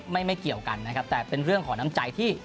ไม่ไม่เกี่ยวกันนะครับแต่เป็นเรื่องของน้ำใจที่